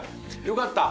よかった！